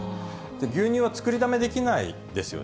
牛乳は作りだめできないですよね。